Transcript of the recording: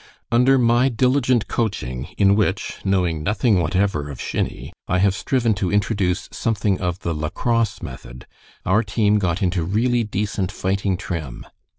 "Under my diligent coaching, in which, knowing nothing whatever of shinny, I have striven to introduce something of the lacrosse method, our team got into really decent fighting trim.